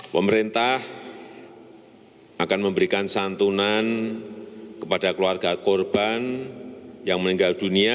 pemerintah akan memberikan santunan kepada keluarga korban yang meninggal dunia